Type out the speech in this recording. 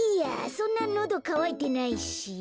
そんなのどかわいてないし。